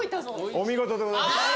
お見事でございます。